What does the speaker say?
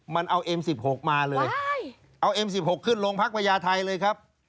มันเอาเอ็มสิบหกมาเลยเอาเอ็มสิบหกขึ้นโรงพักประยาทัยเลยครับ